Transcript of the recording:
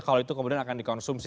kalau itu kemudian akan dikonsumsi